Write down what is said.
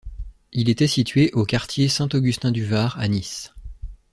Il était situé au quartier Saint-Augustin-du-Var à Nice.